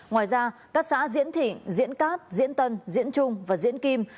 ngoài ra các xã diễn thị diễn cát diễn tân diễn trung và diễn kim